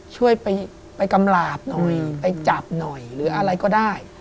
ช่วยไปกำหลาบหน่อยไปจับหน่อยหรืออะไรก็ได้